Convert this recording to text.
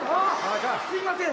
すいません！